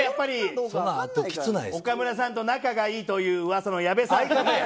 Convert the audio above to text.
岡村さんと仲がいいといううわさの矢部さん。